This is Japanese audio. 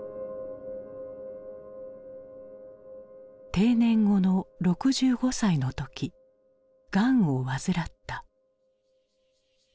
定年後の６５歳の時ガンを患った。